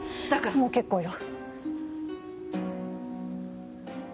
もう結構よ。